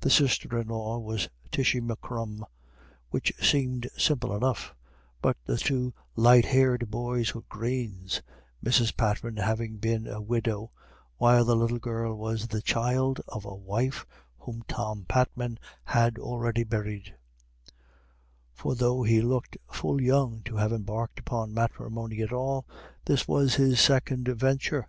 The sister in law was Tishy M'Crum, which seemed simple enough, but the two light haired boys were Greens, Mrs. Patman having been a widow, while the little girl was the child of a wife whom Tom Patman had already buried; for though he looked full young to have embarked upon matrimony at all, this was his second venture.